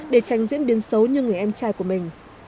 để tránh diễn biến xấu như người em trai của mình